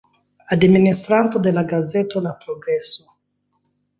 Administranto de la gazeto La Progreso.